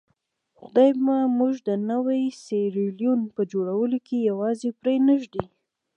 خدای به موږ د نوي سیریلیون په جوړولو کې یوازې پرې نه ږدي.